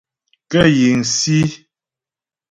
Kə yiŋsǐ.